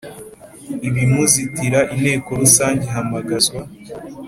ibimuzitira Inteko Rusange ihamagazwa